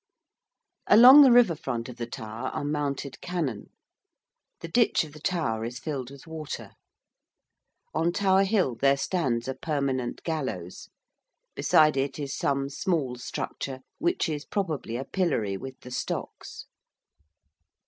Along the river front of the Tower are mounted cannon. The ditch of the Tower is filled with water. On Tower Hill there stands a permanent gallows: beside it is some small structure, which is probably a pillory with the stocks.